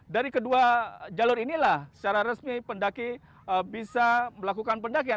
dari kedua jalur inilah secara resmi pendaki bisa melakukan pendakian